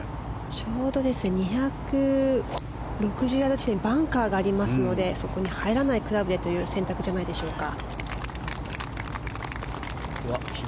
ちょうど２６０ヤード地点にバンカーがありますのでそこに入らないクラブでという選択じゃないでしょうか。